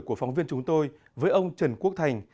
của phóng viên chúng tôi với ông trần quốc thành